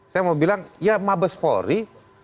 saya mau bilang ya mabes polri